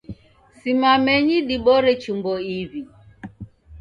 Simamenyi dibore chumbo iw'i